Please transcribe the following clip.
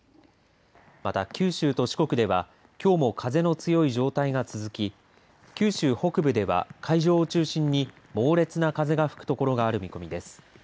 また九州と四国ではきょうも風の強い状態が続き九州北部では海上を中心に猛烈な風が吹くところがある見込みです。